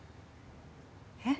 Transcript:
えっ？